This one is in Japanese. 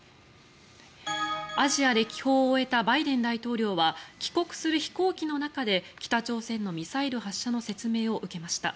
アジア歴訪を終えたバイデン大統領は帰国する飛行機の中で北朝鮮のミサイル発射の説明を受けました。